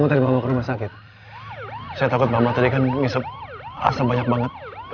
jangan lupa like share dan subscribe